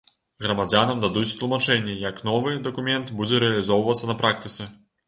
Грамадзянам дадуць тлумачэнні, як новы дакумент будзе рэалізоўвацца на практыцы.